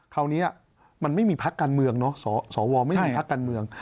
คราวนี้มันไม่มีพักการเมืองเนาะสวไม่มีพักการเมือง